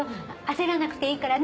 焦らなくていいからね。